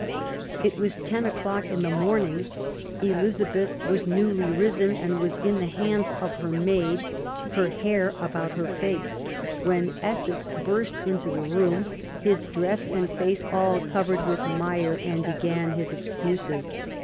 It was ten o'clock in the morning. Elizabeth had newly risen, and was in the hands of her maid, *' her hair about her face/' when Essex burst into the room, his dress and face all covered with mire, and began his excuses.